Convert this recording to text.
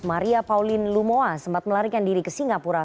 maria pauline lumoa sempat melarikan diri ke singapura